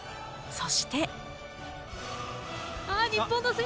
そして。